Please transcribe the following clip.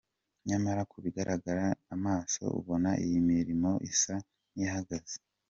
Nyamara ku bigaragarira amaso ubona iyo mirimo isa n’iyahagaze.